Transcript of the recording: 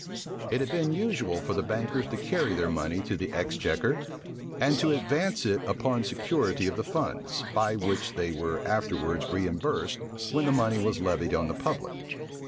It had been usual for the bankers to carry their money to the exchequer, and to advance it upon security of the funds, by which they were afterwards reimbursed when the money was levied on the public.